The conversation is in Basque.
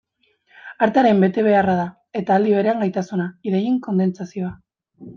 Artearen betebeharra da, eta aldi berean gaitasuna, ideien kondentsazioa.